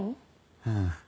うん。